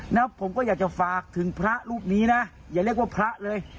แล้วผมก็อยากจะฝากถึงพระรูปนี้นะอย่าเรียกว่าพระเลย